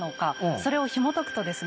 それをひもとくとですね